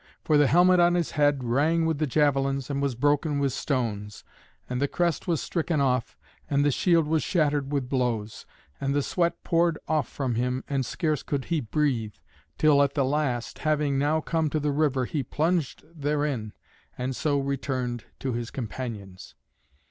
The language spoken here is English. For the helmet on his head rang with the javelins, and was broken with stones; and the crest was stricken off, and the shield was shattered with blows; and the sweat poured off from him, and scarce could he breathe, till at the last, having now come to the river, he plunged therein, and so returned to his companions.